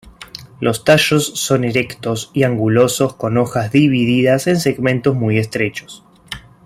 Los tallos son erectos y angulosos con hojas divididas en segmentos muy estrechos.